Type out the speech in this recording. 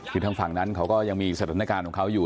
คือทางฝั่งนั้นเขายังมีแสดงการของเขาอยู่